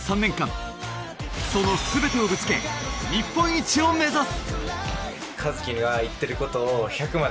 その全てをぶつけ日本一を目指す！